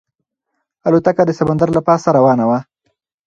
الوتکه د سمندر له پاسه روانه وه.